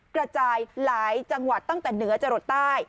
กระจายหลายจังหวัดตั้งแต่เหนือจรดใต้